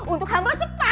untuk hamba sepah